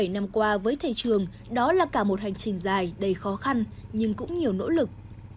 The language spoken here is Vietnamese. bảy mươi năm qua với thầy trường đó là cả một hành trình dài đầy khó khăn nhưng cũng nhiều nỗ lực